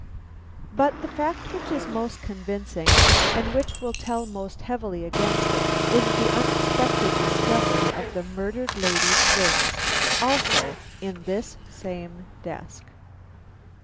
"But the fact which is most convincing, and which will tell most heavily against him, is the unexpected discovery of the murdered lady's rings, also in this same desk.